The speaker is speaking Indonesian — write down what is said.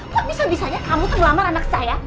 kok bisa bisanya kamu terlalu lama dengan anak saya